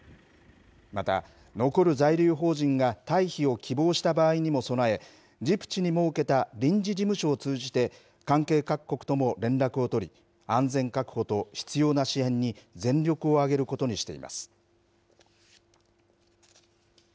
また残る在留邦人が退避を希望した場合にも備え、ジブチに設けた臨時事務所を通じて関係各国とも連絡を取り、安全確保と必要な支援に全力を挙げることにしています。